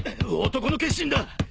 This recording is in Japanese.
男の決心だ！